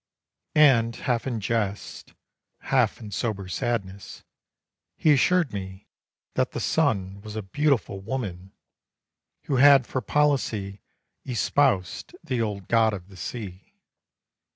And, half in jest, half in sober sadness, He assured me that the sun Was a beautiful woman, who had for policy Espoused the old god of the sea.